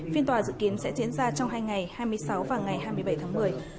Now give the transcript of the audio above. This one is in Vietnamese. phiên tòa dự kiến sẽ diễn ra trong hai ngày hai mươi sáu và ngày hai mươi bảy tháng một mươi